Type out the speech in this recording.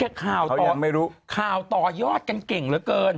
อืมเขายังไม่รู้แก่ข่าวต่อยอดเก่งเหลือเกิน